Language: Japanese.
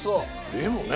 でもね。